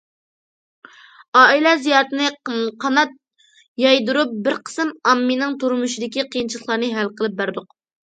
ئائىلە زىيارىتىنى قانات يايدۇرۇپ، بىر قىسىم ئاممىنىڭ تۇرمۇشىدىكى قىيىنچىلىقلارنى ھەل قىلىپ بەردۇق.